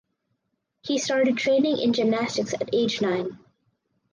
He started training in gymnastics at age nine.